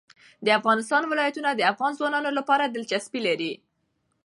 د افغانستان ولايتونه د افغان ځوانانو لپاره دلچسپي لري.